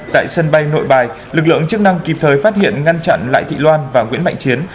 tại sân bay nội bài lực lượng chức năng kịp thời phát hiện ngăn chặn lại thị loan và nguyễn mạnh chiến